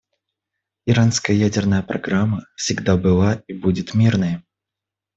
Иранская ядерная программа всегда была и будет мирной.